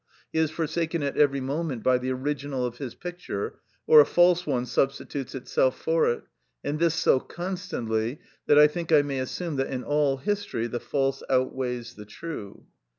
He is forsaken at every moment by the original of his picture, or a false one substitutes itself for it, and this so constantly that I think I may assume that in all history the false outweighs the true.